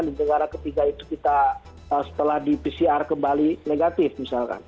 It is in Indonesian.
di negara ketiga itu kita setelah di pcr kembali negatif misalkan